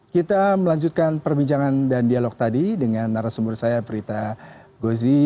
kita melanjutkan perbincangan dan dialog tadi dengan narasumber saya brita gozi